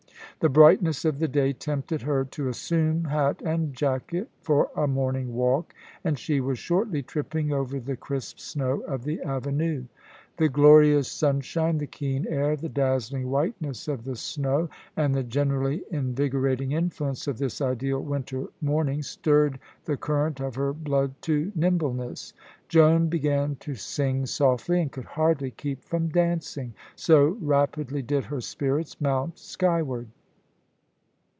The brightness of the day tempted her to assume hat and jacket for a morning walk, and she was shortly tripping over the crisp snow of the avenue. The glorious sunshine, the keen air, the dazzling whiteness of the snow, and the generally invigorating influence of this ideal winter morning stirred the current of her blood to nimbleness. Joan began to sing softly, and could hardly keep from dancing, so rapidly did her spirits mount skyward.